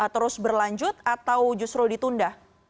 terus berlanjut atau justru ditunda